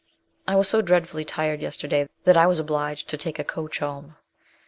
I was so dreadfully tired yesterday that I was obliged to take a coach home.